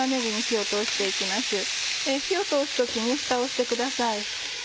火を通す時にフタをしてください。